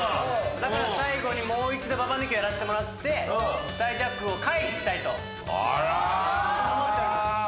だから最後にもう一度ＢＡＢＡ抜きやらせてもらって最弱王を回避したいと思っております。